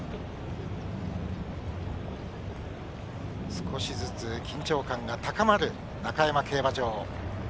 少しずつ緊張感が高まる中山競馬場。